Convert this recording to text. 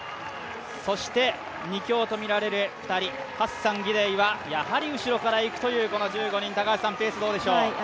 そして２強と見られる２人ハッサンとギデイはやはり後ろからいくというこの１５人、ペースどうでしょう。